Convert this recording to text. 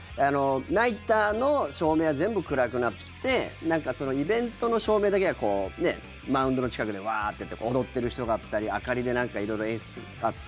ナイターの照明は全部暗くなってイベントの照明だけがマウンドの近くでワーッてやって踊ってる人だったり明かりで色々演出があって。